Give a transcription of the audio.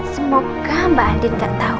semoga mbak andi gak tau